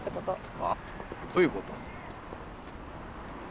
何どういうこと？